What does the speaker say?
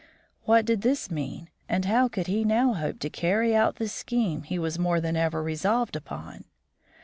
What did this mean, and how could he now hope to carry out the scheme he was more than ever resolved upon?